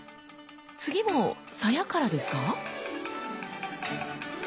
次も鞘からですか？